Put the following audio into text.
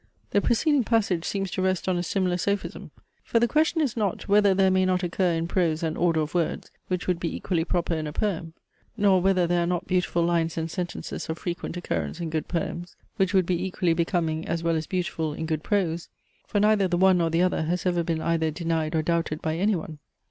The preceding passage seems to rest on a similar sophism. For the question is not, whether there may not occur in prose an order of words, which would be equally proper in a poem; nor whether there are not beautiful lines and sentences of frequent occurrence in good poems, which would be equally becoming as well as beautiful in good prose; for neither the one nor the other has ever been either denied or doubted by any one.